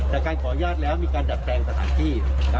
แต่การขออนุญาตแล้วมีการดัดแปลงสถานที่